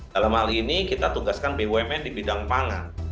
dalam hal ini kita tugaskan bumn di bidang pangan